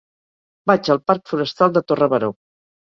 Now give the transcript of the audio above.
Vaig al parc Forestal de Torre Baró.